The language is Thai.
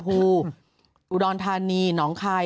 อุดรธานีหนองคาย